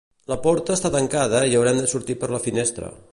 La porta està tancada i haurem de sortir per la finestra